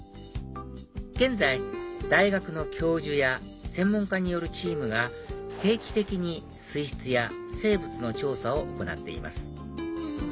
現在大学の教授や専門家によるチームが定期的に水質や生物の調査を行っています